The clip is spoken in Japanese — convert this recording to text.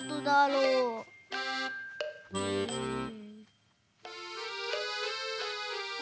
うん。